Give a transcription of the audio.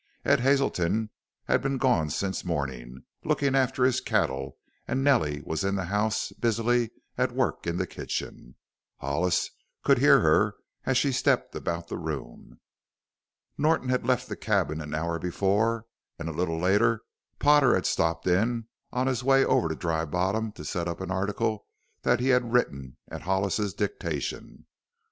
Ed Hazelton had been gone since morning, looking after his cattle, and Nellie was in the house, busily at work in the kitchen Hollis could hear her as she stepped about the room. Norton had left the cabin an hour before and a little later Potter had stopped in on his way over to Dry Bottom to set up an article that he had written at Hollis's dictation.